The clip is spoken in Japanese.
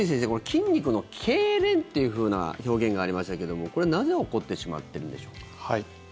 筋肉のけいれんというふうな表現がありましたけどもこれ、なぜ起こってしまってるんでしょう。